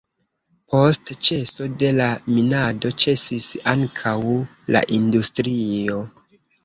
Post ĉeso de la minado ĉesis ankaŭ la industrio.